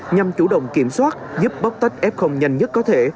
nhằm chủ động kiểm soát giúp bóc tách f nhanh nhất có thể